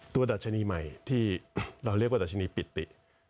ดัชนีใหม่ที่เราเรียกว่าดัชนีปิติ